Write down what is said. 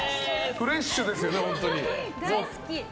フレッシュですよね、本当に？